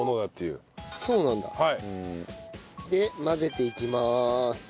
混ぜていきます。